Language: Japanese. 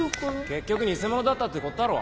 結局偽者だったってことだろ？